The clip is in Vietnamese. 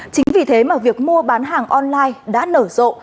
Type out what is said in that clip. chính vì thế mà việc mua bán hàng online đã nở rộ